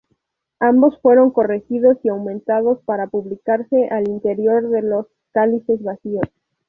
Ambos fueron corregidos y aumentados para publicarse al interior de "Los cálices vacíos".